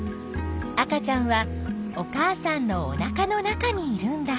赤ちゃんはお母さんのおなかの中にいるんだ。